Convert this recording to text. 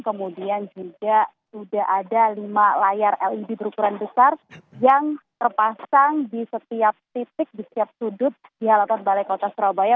kemudian juga sudah ada lima layar led berukuran besar yang terpasang di setiap titik di setiap sudut di halaman balai kota surabaya